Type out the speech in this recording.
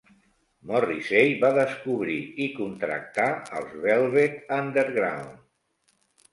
Morrissey va descobrir i contractar els Velvet Underground.